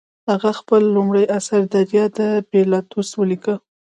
هغه خپل لومړی اثر دریا د پیلاتوس ولیکه.